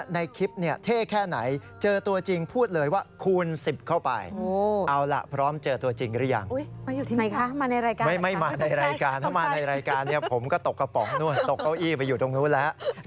นี่ตัวจริงเลยนะ